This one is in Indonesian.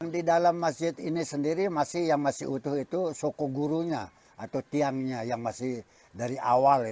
di dalam masjid ini sendiri masih yang masih utuh itu suku gurunya atau tiangnya yang masih dari awal